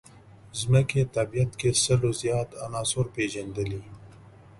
ځمکې طبیعت کې سلو زیات عناصر پېژندلي.